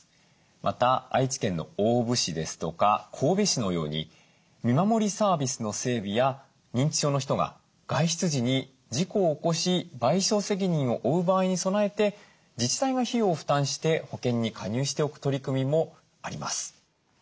また愛知県の大府市ですとか神戸市のように見守りサービスの整備や認知症の人が外出時に事故を起こし賠償責任を負う場合に備えて自治体が費用を負担して保険に加入しておく取り組みもあります。